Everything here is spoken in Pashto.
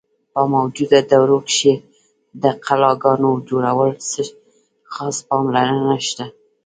په موجوده دور کښې د قلاګانو جوړولو څۀ خاص پام لرنه نشته۔